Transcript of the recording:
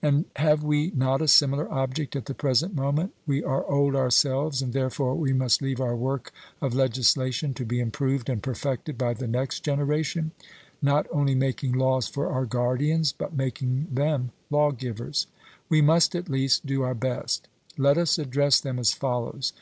And have we not a similar object at the present moment? We are old ourselves, and therefore we must leave our work of legislation to be improved and perfected by the next generation; not only making laws for our guardians, but making them lawgivers. 'We must at least do our best.' Let us address them as follows.